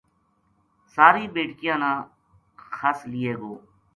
ساری بیٹکیاں نا خس لیے گو ‘‘